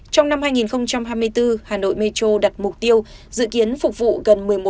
trong năm hai nghìn hai mươi bốn hà nội metro đặt mục tiêu dự kiến phục vụ gần một mươi một